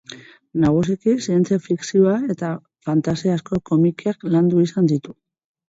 Nagusiki zientzia-fikzioa eta fantasiazko komikiak landu izan ditu.